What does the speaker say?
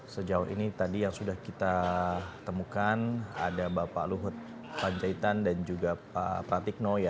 sejauh ini tadi yang sudah kita temukan ada bapak luhut panjaitan dan juga pak pratikno